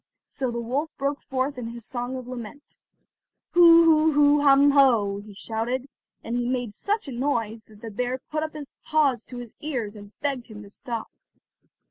So the wolf broke forth in his song of lament: "Hu, hu, hu, hum, hoh," he shouted, and he made such a noise that the bear put up his paws to his ears, and begged him to stop.